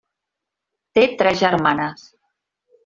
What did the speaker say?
Té tres germanes.